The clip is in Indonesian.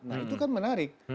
nah itu kan menarik